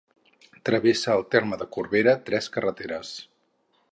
Travessa el terme de Corbera tres carreteres.